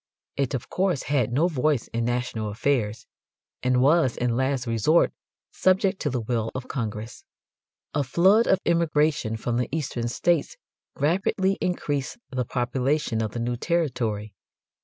It of course had no voice in national affairs, and was in last resort subject to the will of Congress. A flood of immigration from the eastern states rapidly increased the population of the new territory.